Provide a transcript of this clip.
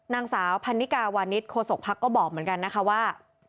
นางสาวพันนิกาวานิสโคศกภักดิ์ก็บอกเหมือนกันนะคะว่า